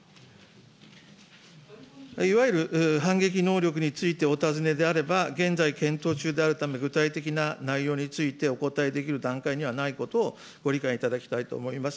いわゆる反撃能力についてお尋ねであれば、現在、検討中であるため、具体的な内容についてお答えできる段階にはないことをご理解いただきたいと思います。